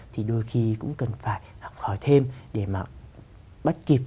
thì đôi khi cũng cần phải học hỏi thêm để mà bắt kịp